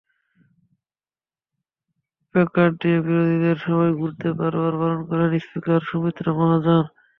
Placard নিয়ে বিরোধীদের সভায় ঘুরতে বারবার বারণ করেন স্পিকার সুমিত্রা মহাজন।